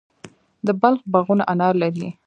د بلخ باغونه انار لري.